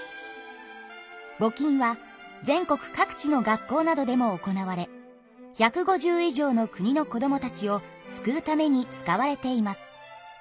ぼ金は全国各地の学校などでも行われ１５０以上の国の子どもたちを救うために使われています。